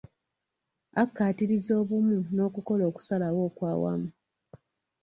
Akaatiriza obumu n'okukola okusalawo okwawamu.